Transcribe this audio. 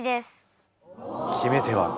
決め手は？